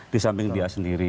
di samping dia sendiri